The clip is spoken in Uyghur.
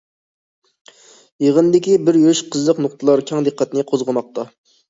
يىغىندىكى بىر يۈرۈش قىزىق نۇقتىلار كەڭ دىققەتنى قوزغىماقتا.